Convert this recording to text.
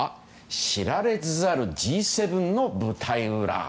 知られざるＧ７の舞台裏。